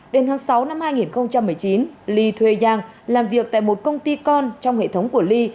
đến tháng sáu năm hai nghìn một mươi chín li thuê yang làm việc tại một công ty con trong hệ thống của li